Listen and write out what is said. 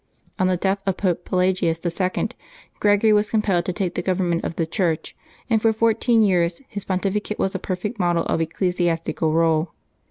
On the death of Pope Pelagius II., Gregory was compelled to take the government of the Church, and for fourteen years his pontificate was a perfect model of ecclesiastical rule.